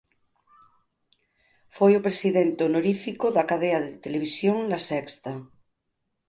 Foi o presidente honorífico da cadea de televisión La Sexta.